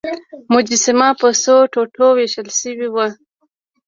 مجسمه په څو ټوټو ویشل شوې وه.